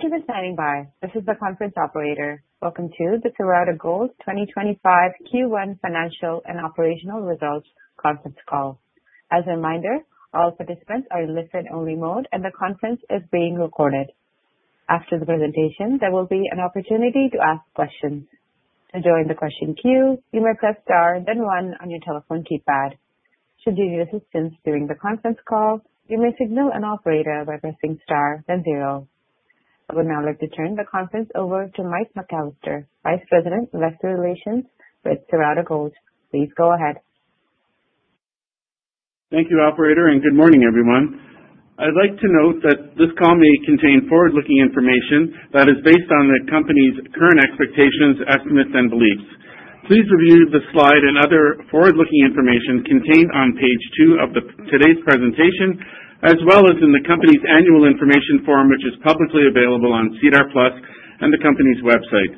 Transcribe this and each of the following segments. Thank you for standing by. This is the conference operator. Welcome to the Cerrado Gold 2025 Q1 Financial and Operational Results Conference Call. As a reminder, all participants are in listen-only mode, and the conference is being recorded. After the presentation, there will be an opportunity to ask questions. To join the question queue, you may press star then one on your telephone keypad. Should you need assistance during the conference call, you may signal an operator by pressing star then zero. I would now like to turn the conference over to Mike McAllister, Vice President, Investor Relations with Cerrado Gold. Please go ahead. Thank you, Operator, and good morning, everyone. I'd like to note that this call may contain forward-looking information that is based on the company's current expectations, estimates, and beliefs. Please review the slide and other forward-looking information contained on page two of today's presentation, as well as in the company's annual information form, which is publicly available on SEDAR+ and the company's website.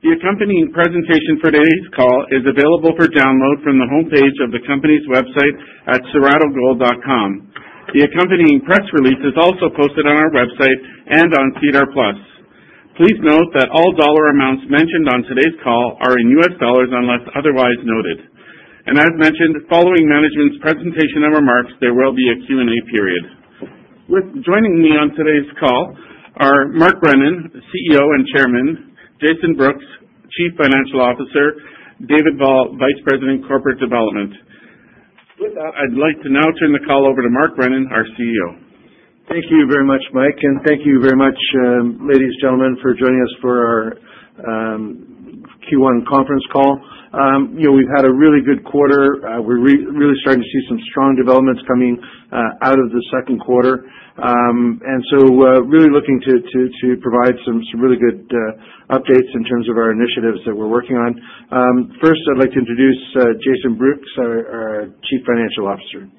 The accompanying presentation for today's call is available for download from the homepage of the company's website at cerradogold.com. The accompanying press release is also posted on our website and on SEDAR+. Please note that all dollar amounts mentioned on today's call are in U.S. dollars unless otherwise noted, and as mentioned, following management's presentation and remarks, there will be a Q&A period. Joining me on today's call are Mark Brennan, CEO and Chairman; Jason Brooks, Chief Financial Officer; David Ball, Vice President, Corporate Development. With that, I'd like to now turn the call over to Mark Brennan, our CEO. Thank you very much, Mike, and thank you very much, ladies and gentlemen, for joining us for our Q1 Conference Call. We've had a really good quarter. We're really starting to see some strong developments coming out of the second quarter. And so really looking to provide some really good updates in terms of our initiatives that we're working on. First, I'd like to introduce Jason Brooks, our Chief Financial Officer.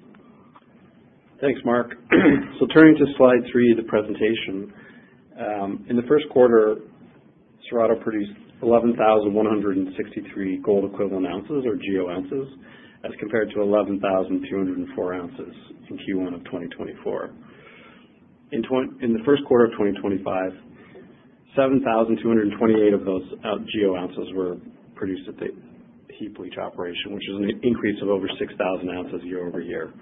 Thanks, Mark. So turning to slide three, the presentation, in the first quarter, Cerrado produced 11,163 gold-equivalent ounces, or GEO ounces, as compared to 11,204 ounces in Q1 of 2024. In the first quarter of 2025, 7,228 of those GEO ounces were produced at the heap leach operation, which is an increase of over 6,000 ounces year over year,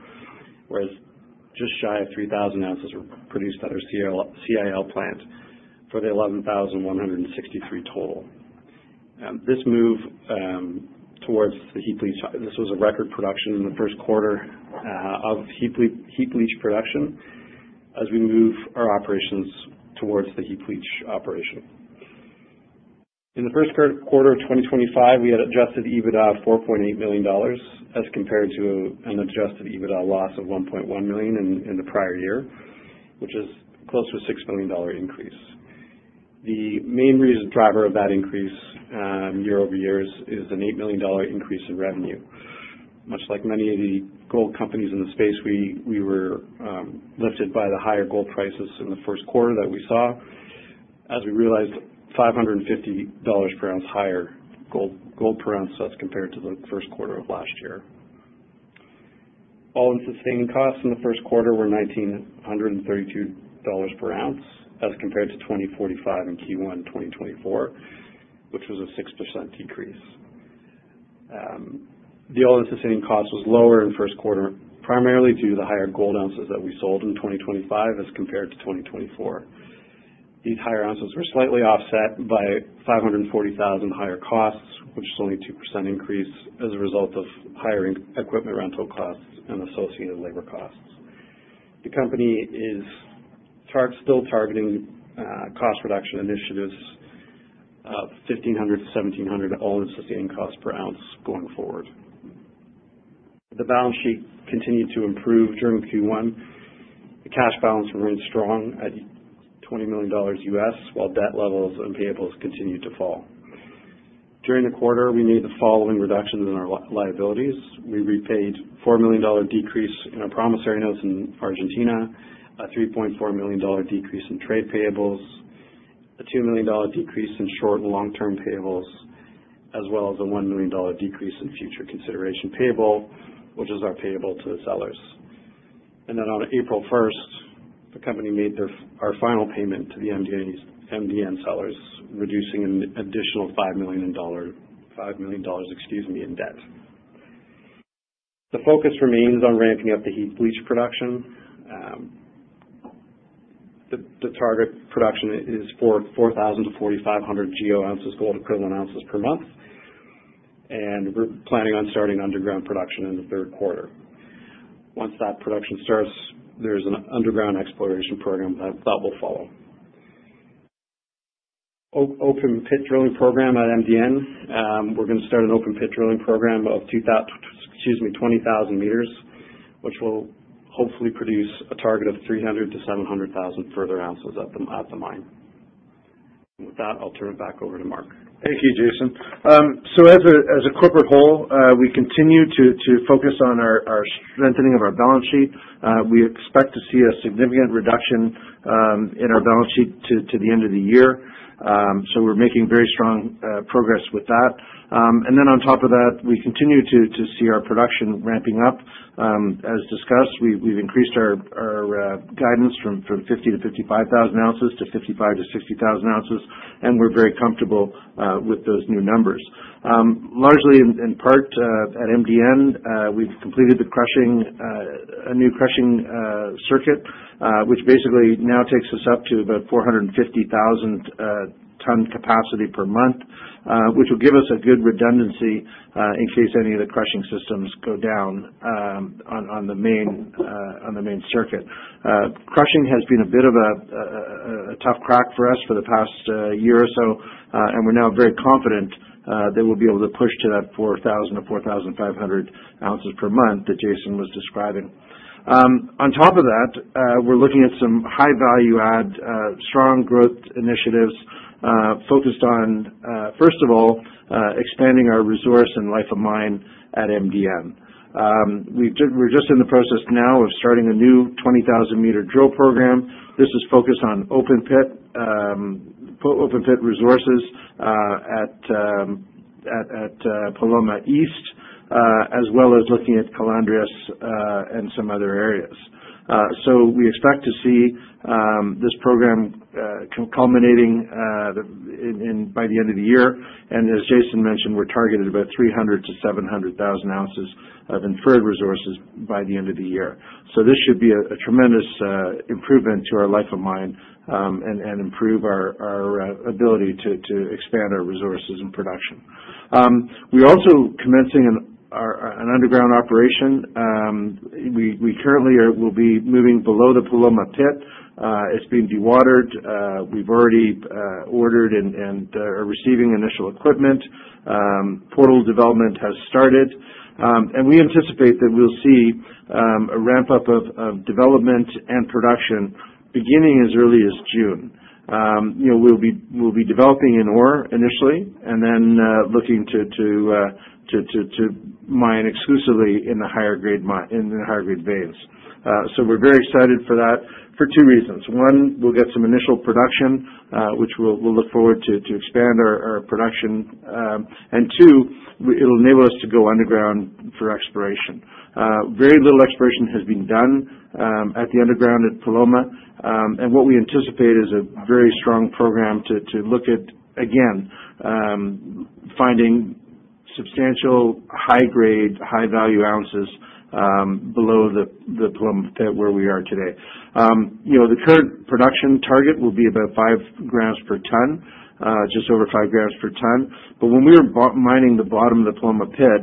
whereas just shy of 3,000 ounces were produced at our CIL plant for the 11,163 total. This move towards the heap leach - this was a record production in the first quarter of heap leach production as we move our operations towards the heap leach operation. In the first quarter of 2025, we had adjusted EBITDA of $4.8 million as compared to an adjusted EBITDA loss of $1.1 million in the prior year, which is close to a $6 million increase. The main reason driver of that increase year over year is an $8 million increase in revenue. Much like many of the gold companies in the space, we were lifted by the higher gold prices in the first quarter that we saw as we realized $550 per ounce higher gold per ounce as compared to the first quarter of last year. All-in sustaining costs in the first quarter were $1,932 per ounce as compared to $2,045 in Q1 2024, which was a 6% decrease. The all-in sustaining costs was lower in the first quarter, primarily due to the higher gold ounces that we sold in 2025 as compared to 2024. These higher ounces were slightly offset by $540,000 higher costs, which is only a 2% increase as a result of higher equipment rental costs and associated labor costs. The company is still targeting cost reduction initiatives of $1,500-$1,700 all in sustaining costs per ounce going forward. The balance sheet continued to improve during Q1. The cash balance remained strong at $20 million, while debt levels and payables continued to fall. During the quarter, we made the following reductions in our liabilities. We repaid a $4 million decrease in our promissory notes in Argentina, a $3.4 million decrease in trade payables, a $2 million decrease in short and long-term payables, as well as a $1 million decrease in future consideration payable, which is our payable to the sellers, and then on April 1st, the company made our final payment to the MDN sellers, reducing an additional $5 million in debt. The focus remains on ramping up the heap leach production. The target production is 4,000-4,500 GEO ounces, gold-equivalent ounces, per month, and we're planning on starting underground production in the third quarter. Once that production starts, there's an underground exploration program that will follow. Open pit drilling program at MDN. We're going to start an open pit drilling program of 20,000 meters, which will hopefully produce a target of 300,000-700,000 further ounces at the mine. With that, I'll turn it back over to Mark. Thank you, Jason. So as a corporate whole, we continue to focus on our strengthening of our balance sheet. We expect to see a significant reduction in our balance sheet to the end of the year. So we're making very strong progress with that. And then on top of that, we continue to see our production ramping up. As discussed, we've increased our guidance from 50,000-55,000 ounces to 55,000-60,000 ounces, and we're very comfortable with those new numbers. Largely in part at MDN, we've completed a new crushing circuit, which basically now takes us up to about 450,000-ton capacity per month, which will give us a good redundancy in case any of the crushing systems go down on the main circuit. Crushing has been a bit of a tough crack for us for the past year or so, and we're now very confident that we'll be able to push to that 4,000-4,500 ounces per month that Jason was describing. On top of that, we're looking at some high-value-add, strong growth initiatives focused on, first of all, expanding our resource and life of mine at MDN. We're just in the process now of starting a new 20,000-meter drill program. This is focused on open pit resources at Paloma East, as well as looking at Calandrias and some other areas, so we expect to see this program culminating by the end of the year, and as Jason mentioned, we're targeted about 300,000-700,000 ounces of inferred resources by the end of the year. So this should be a tremendous improvement to our life of mine and improve our ability to expand our resources and production. We're also commencing an underground operation. We currently will be moving below the Paloma pit. It's being dewatered. We've already ordered and are receiving initial equipment. Portal development has started. And we anticipate that we'll see a ramp-up of development and production beginning as early as June. We'll be developing in ore initially and then looking to mine exclusively in the higher-grade veins. So we're very excited for that for two reasons. One, we'll get some initial production, which we'll look forward to expand our production. And two, it'll enable us to go underground for exploration. Very little exploration has been done at the underground at Paloma. What we anticipate is a very strong program to look at, again, finding substantial high-grade, high-value ounces below the Paloma pit where we are today. The current production target will be about five grams per ton, just over five grams per ton. But when we were mining the bottom of the Paloma pit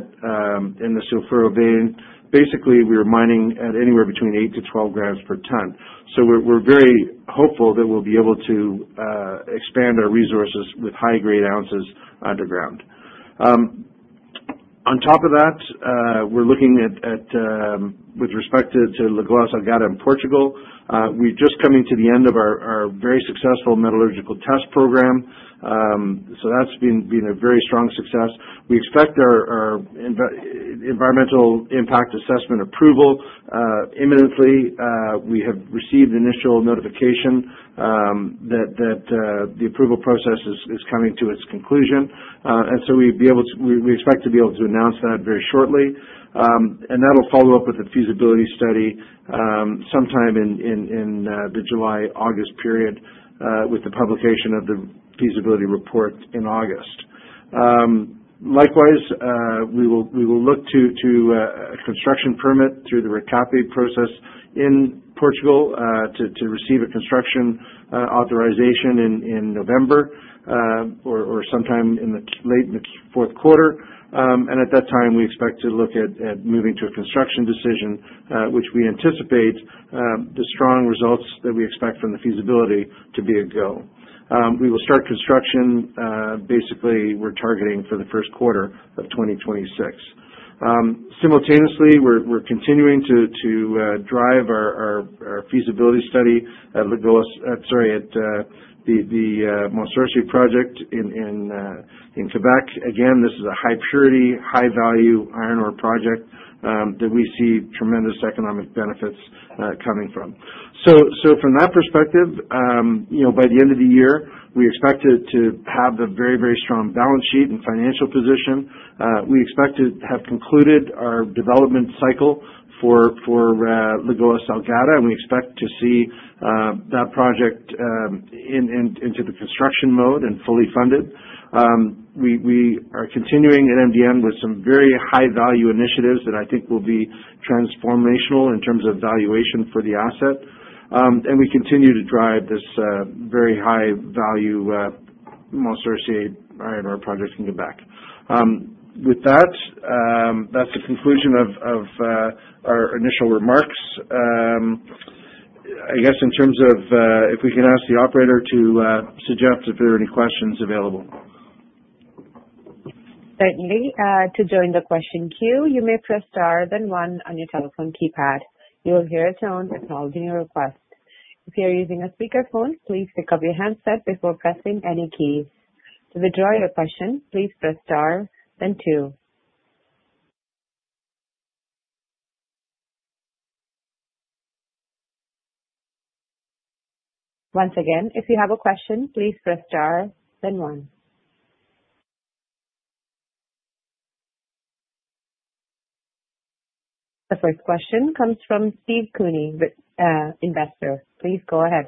in the Sulfuro Vein, basically we were mining at anywhere between eight to 12 grams per ton. We are very hopeful that we will be able to expand our resources with high-grade ounces underground. On top of that, we are looking at, with respect to Lagoa Salgada in Portugal, we are just coming to the end of our very successful metallurgical test program. That has been a very strong success. We expect our environmental impact assessment approval imminently. We have received initial notification that the approval process is coming to its conclusion. We expect to be able to announce that very shortly. That'll follow up with the feasibility study sometime in the July-August period with the publication of the feasibility report in August. Likewise, we will look to a construction permit through the RECAPE process in Portugal to receive a construction authorization in November or sometime in the late fourth quarter. At that time, we expect to look at moving to a construction decision, which we anticipate the strong results that we expect from the feasibility to be a go. We will start construction basically we're targeting for the first quarter of 2026. Simultaneously, we're continuing to drive our feasibility study at the Mont Sorcier project in Québec. Again, this is a high-purity, high-value iron ore project that we see tremendous economic benefits coming from. So from that perspective, by the end of the year, we expect to have a very, very strong balance sheet and financial position. We expect to have concluded our development cycle for Lagoa Salgada, and we expect to see that project into the construction mode and fully funded. We are continuing at MDN with some very high-value initiatives that I think will be transformational in terms of valuation for the asset. And we continue to drive this very high-value Mont Sorcier iron ore project in Québec. With that, that's the conclusion of our initial remarks. I guess in terms of if we can ask the operator to suggest if there are any questions available. Certainly. To join the question queue, you may press star then one on your telephone keypad. You will hear a tone acknowledging your request. If you're using a speakerphone, please pick up your handset before pressing any keys. To withdraw your question, please press star then two. Once again, if you have a question, please press star then one. The first question comes from Steve Cooney, investor. Please go ahead.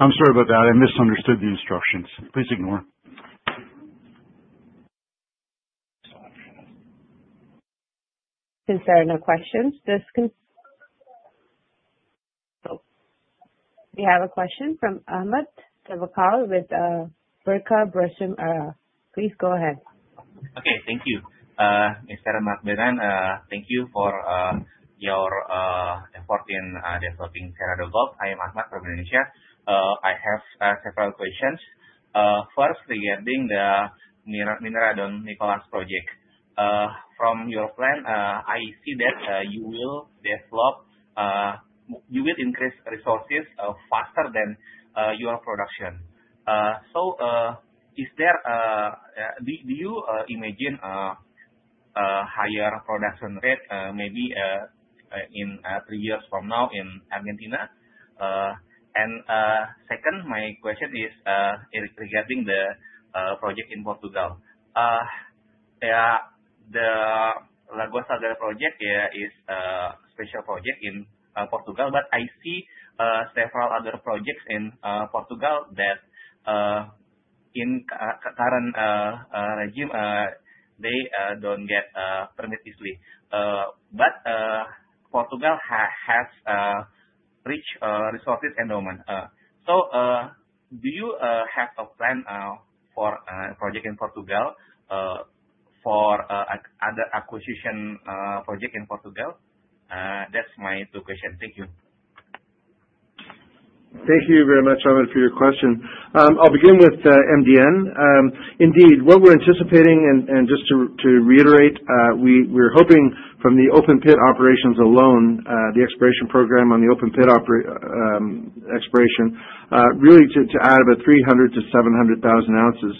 I'm sorry about that. I misunderstood the instructions. Please ignore. Since there are no questions, we have a question from Ahmad Tevakal with Birka Bersin. Please go ahead. Okay. Thank you. Mr. Mark Brennan, thank you for your effort in developing Cerrado Gold. I am Ahmad from Indonesia. I have several questions. First, regarding the Minera Don Nicolás project. From your plan, I see that you will increase resources faster than your production. So do you imagine a higher production rate, maybe in three years from now in Argentina? And second, my question is regarding the project in Portugal. Yeah, the Lagoa Salgada project is a special project in Portugal, but I see several other projects in Portugal that in current regime, they don't get permitted easily. But Portugal has rich resources and ore. So do you have a plan for a project in Portugal for other acquisition projects in Portugal? That's my two questions. Thank you. Thank you very much, Ahmad, for your question. I'll begin with MDN. Indeed, what we're anticipating, and just to reiterate, we're hoping from the open pit operations alone, the exploration program on the open pit exploration, really to add about 300,000-700,000 ounces.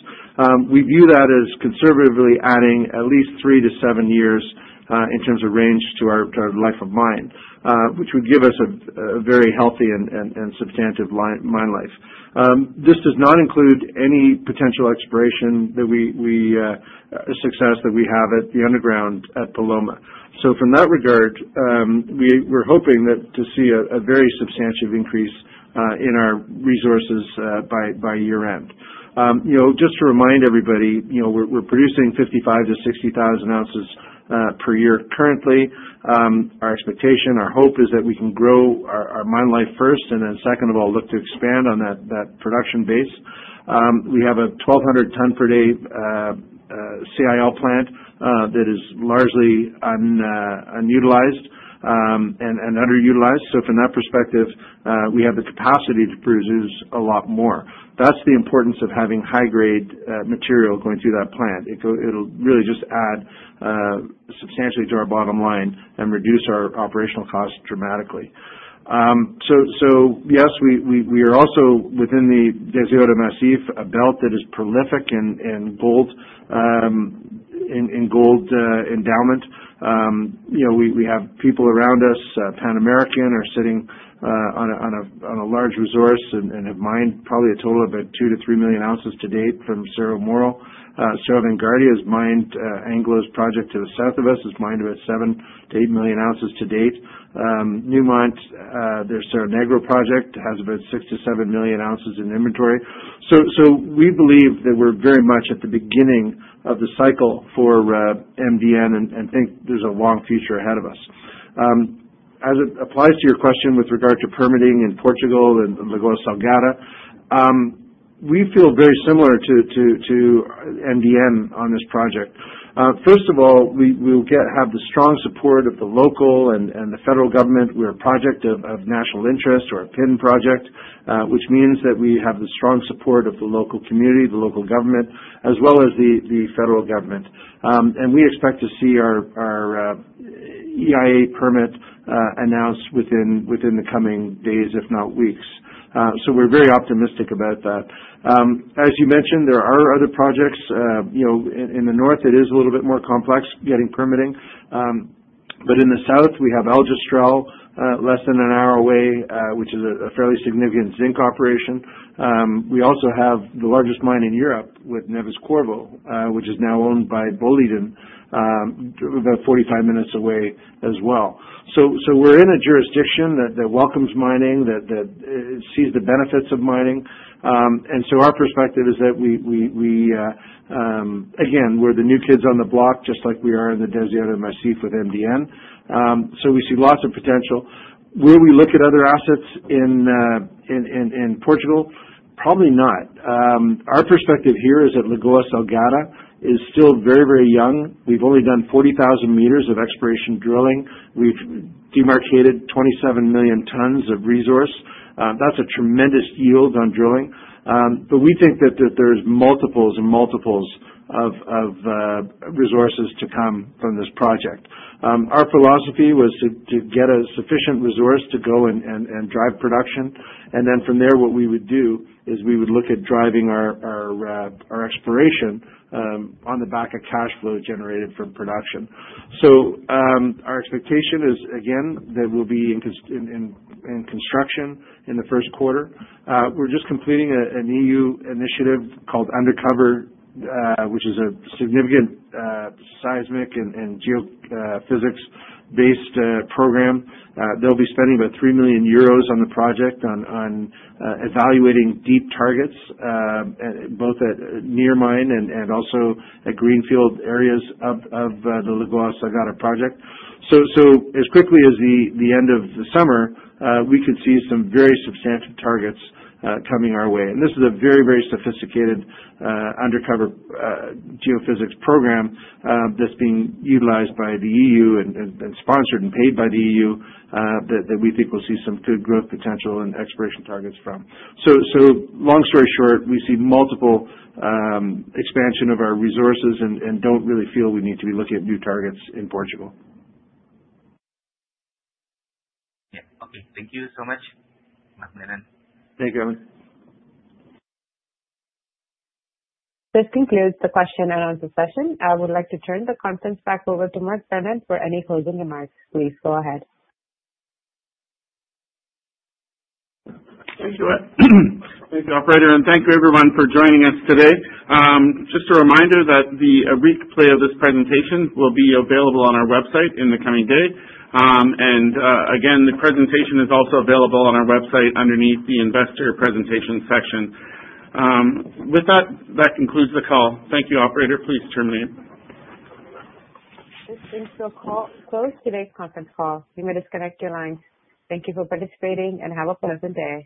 We view that as conservatively adding at least three to seven years in terms of range to our life of mine, which would give us a very healthy and substantive mine life. This does not include any potential exploration success that we have at the underground at Paloma. So from that regard, we're hoping to see a very substantive increase in our resources by year-end. Just to remind everybody, we're producing 55,000-60,000 ounces per year currently. Our expectation, our hope is that we can grow our mine life first, and then second of all, look to expand on that production base. We have a 1,200-ton per day CIL plant that is largely unutilized and underutilized. So from that perspective, we have the capacity to produce a lot more. That's the importance of having high-grade material going through that plant. It'll really just add substantially to our bottom line and reduce our operational costs dramatically. So yes, we are also within the Deseado Massif, a belt that is prolific in gold endowment. We have people around us. Pan American are sitting on a large resource and have mined probably a total of about 2-3 million ounces to date from Cerro Moro. Cerro Vanguardia is Anglo's project to the south of us, is mined about 7-8 million ounces to date. Newmont, their Cerro Negro project has about 6-7 million ounces in inventory. We believe that we're very much at the beginning of the cycle for MDN and think there's a long future ahead of us. As it applies to your question with regard to permitting in Portugal and Lagoa Salgada, we feel very similar to MDN on this project. First of all, we'll have the strong support of the local and the federal government. We're a project of national interest, our PIN project, which means that we have the strong support of the local community, the local government, as well as the federal government. And we expect to see our EIA permit announced within the coming days, if not weeks. So we're very optimistic about that. As you mentioned, there are other projects. In the north, it is a little bit more complex getting permitting. But in the south, we have Aljustrel less than an hour away, which is a fairly significant zinc operation. We also have the largest mine in Europe with Neves-Corvo, which is now owned by Boliden, about 45 minutes away as well. So we're in a jurisdiction that welcomes mining, that sees the benefits of mining. And so our perspective is that we, again, we're the new kids on the block, just like we are in the Deseado Massif with MDN. So we see lots of potential. Will we look at other assets in Portugal? Probably not. Our perspective here is that Lagoa Salgada is still very, very young. We've only done 40,000 meters of exploration drilling. We've demarcated 27 million tons of resource. That's a tremendous yield on drilling. But we think that there's multiples and multiples of resources to come from this project. Our philosophy was to get a sufficient resource to go and drive production. And then from there, what we would do is we would look at driving our exploration on the back of cash flow generated from production. So our expectation is, again, that we'll be in construction in the first quarter. We're just completing an E.U. initiative called Undercover, which is a significant seismic and geophysics-based program. They'll be spending about 3 million euros on the project on evaluating deep targets, both at near mine and also at greenfield areas of the Lagoa Salgada project. So as quickly as the end of the summer, we could see some very substantive targets coming our way. This is a very, very sophisticated Undercover geophysics program that's being utilized by the E.U. and sponsored and paid by the E.U. that we think we'll see some good growth potential and exploration targets from. So long story short, we see multiple expansions of our resources and don't really feel we need to be looking at new targets in Portugal. Okay. Thank you so much, Ahmad. Thank you, Ahmad. This concludes the question and answer session. I would like to turn the conference back over to Mark Brennan for any closing remarks. Please go ahead. Thank you, Ahmad. Thank you, operator. And thank you, everyone, for joining us today. Just a reminder that the replay of this presentation will be available on our website in the coming day. And again, the presentation is also available on our website underneath the investor presentation section. With that, that concludes the call. Thank you, operator. Please terminate. This brings to a close today's conference call. You may disconnect your lines. Thank you for participating and have a pleasant day.